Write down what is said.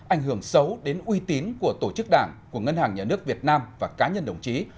ảnh hưởng xấu đến uy tín của tổ chức đảng của ngân hàng nhà nước việt nam và cá nhân đồng chí